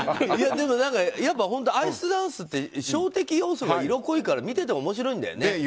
でも、やっぱアイスダンスってショー的要素が色濃いから見てて面白いんだよね。